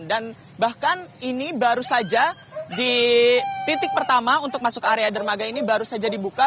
dan bahkan ini baru saja di titik pertama untuk masuk area dermaga ini baru saja dibuka